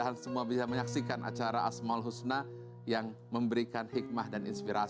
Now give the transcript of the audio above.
nabi acai kemurahan bulan amalan